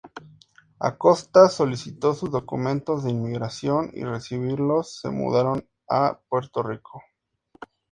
Acosta solicitó sus documentos de inmigración, y al recibirlos se mudaron a Puerto Rico.